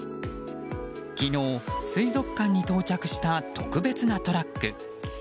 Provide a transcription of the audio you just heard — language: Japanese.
昨日、水族館に到着した特別なトラック。